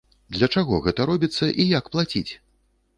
Для чаго гэта робіцца і як плаціць?